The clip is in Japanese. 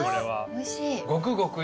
おいしい。